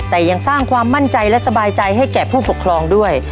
แต่ยังสร้างความมั่นใจและสบายใจให้แก่ผู้ปกครองด้วย